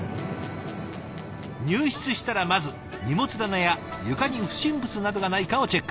入室したらまず荷物棚や床に不審物などがないかをチェック。